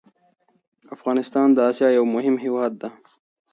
افغانستان د اسيا يو مهم هېواد ده